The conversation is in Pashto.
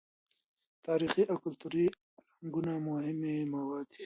تاریخي او کلتوري الانګونه مهمې مواد دي.